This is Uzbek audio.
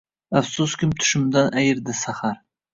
Afsuskim, tushimdan ayirdi sahar…